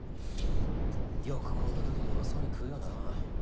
よくこんなときにうまそうに食うよな。